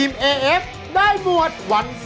ไม่กินเป็นร้อย